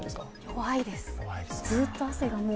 弱いです。